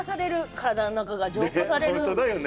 体の中が浄化される。